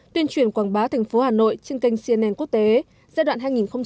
tuyên truyền quảng bá thành phố hà nội trên kênh cnn quốc tế giai đoạn hai nghìn một mươi chín hai nghìn hai mươi